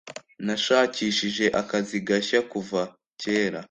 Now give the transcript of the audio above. Nashakishije akazi gashya kuva kera.